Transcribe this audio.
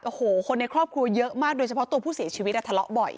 โอ้โหคนในครอบครัวเยอะมากโดยเฉพาะตัวผู้เสียชีวิตทะเลาะบ่อย